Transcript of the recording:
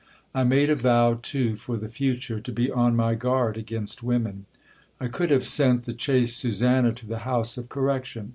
I made a vow too for the future to be on my guard against women. I could have sent the chaste Susanna to the house of correction.